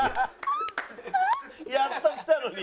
やっと来たのに！